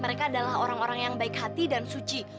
mereka adalah orang orang yang baik hati dan suci